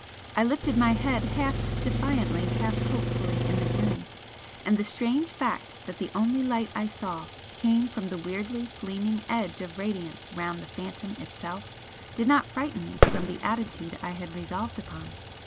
I lifted my head half defiantly, half hopefully in the gloom, and the strange fact that the only light I saw came from the weirdly gleaming edge of radiance round the Phantom itself did not frighten me from the attitude I had resolved upon.